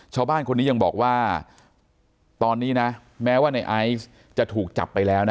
ชาวบ้านคนนี้ยังบอกว่าตอนนี้นะแม้ว่าในไอซ์จะถูกจับไปแล้วนะ